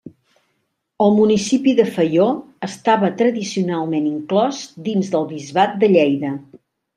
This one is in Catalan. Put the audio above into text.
El municipi de Faió estava tradicionalment inclòs dins del Bisbat de Lleida.